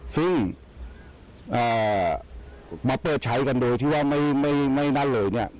ซึ่งมาเปิดใช้กันโดยที่ว่าไม่นั่นเลยเนี่ย